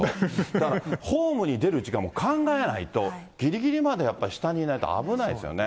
だから、ホームに出る時間も考えないと、ぎりぎりまでやっぱり、下にいないと危ないですよね。